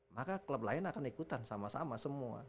maka klub lain akan ikutan sama sama semua